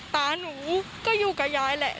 ตาหนูก็อยู่กับยายแหละ